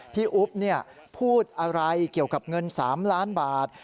พี่อุ๊บเนี่ยพูดอะไรเกี่ยวกับเงินสามล้านบาท